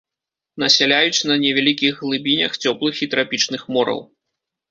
Насяляюць на невялікіх глыбінях цёплых і трапічных мораў.